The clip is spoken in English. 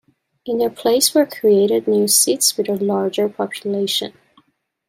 In their place were created new seats with a larger population.